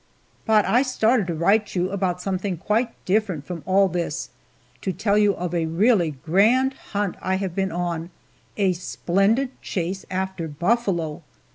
But I started to write you about something quite different from all this to tell you of a really grand hunt I have been on a splendid chase after buffalo!